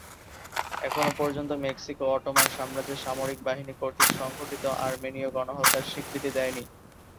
এখনও পর্যন্ত Mexico Ottoman সাম্রাজ্যের সামরিক বাহিনী কর্তৃক সংঘটিত আর্মেনীয় গণহত্যার স্বীকৃতি দেয়নি।